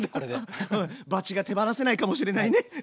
バチが手放せないかもしれないね。